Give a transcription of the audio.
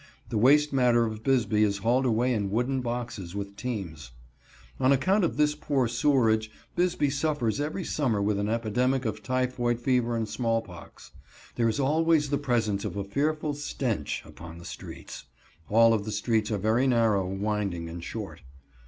The waste matter of Bisbee is hauled away in wooden boxes with teams. On account of this poor sewerage Bisbee suffers every summer with an epidemic of typhoid fever and smallpox. There is always the presence of a fearful stench upon the streets. All of the streets are very narrow, winding and short.